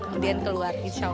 kemudian keluarga insya allah